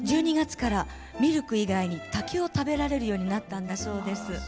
１２月からミルク以外に竹を食べられるようになったんだそうです。